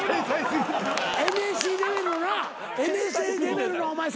ＮＳＣレベルのなＮＳＣレベルの作家は。